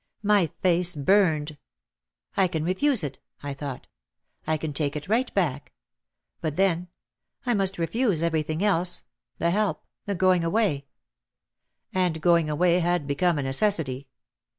My face burned. "I can refuse it," I thought. "I can take it right back — but then, I must refuse everything else, the help, the going away" — and going away had become a necessity.